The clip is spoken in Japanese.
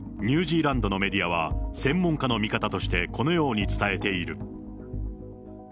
ニュージーランドのメディアは専門家の見方として、このように伝えている。